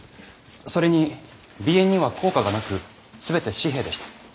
それにＢ円には硬貨がなく全て紙幣でした。